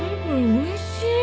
おいしい。